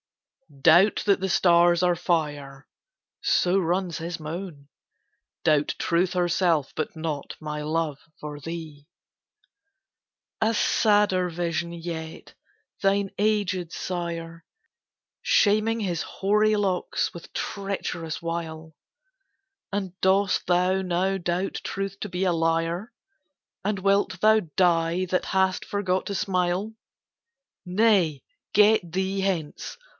"Doubt that the stars are fire," so runs his moan, "Doubt Truth herself, but not my love for thee!" A sadder vision yet: thine aged sire Shaming his hoary locks with treacherous wile! And dost thou now doubt Truth to be a liar? And wilt thou die, that hast forgot to smile? Nay, get thee hence!